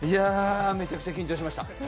めちゃくちゃ緊張しました。